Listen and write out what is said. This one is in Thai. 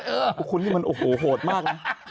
โอ้โหคุณนี่มันโหดมาก